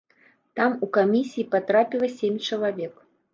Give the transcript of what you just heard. Там у камісіі патрапіла сем чалавек.